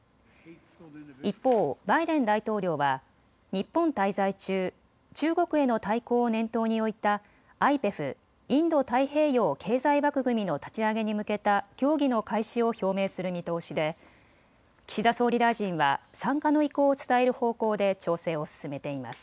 一方、バイデン大統領は日本滞在中、中国への対抗を念頭においたＩＰＥＦ・インド太平洋経済枠組みの立ち上げに向けた協議の開始を表明する見通しで岸田総理大臣は参加の意向を伝える方向で調整を進めています。